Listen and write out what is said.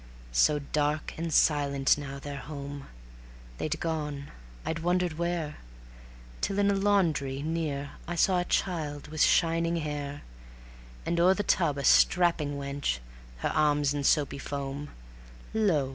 So dark and silent now, their home; they'd gone I wondered where, Till in a laundry near I saw a child with shining hair; And o'er the tub a strapping wench, her arms in soapy foam; Lo!